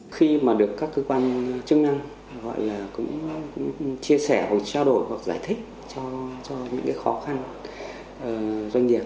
khi mà được các cơ quan chức năng chia sẻ trao đổi hoặc giải thích cho những khó khăn doanh nghiệp